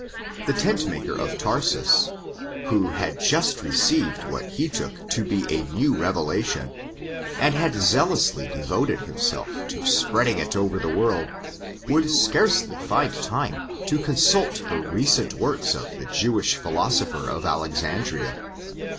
The tent maker of Tarsus, who had just received what he took to be a new revelation, and had zealously devoted himself to spreading it over the world, would scarcely find time to consult the recent works of the Jewish philosopher of Alexandria.